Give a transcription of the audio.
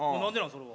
それは。